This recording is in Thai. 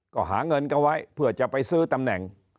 ก็หาเงินก็ไว้เพื่อจะไปซื้อตำแหน่ง